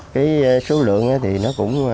cái số lượng thì nó cũng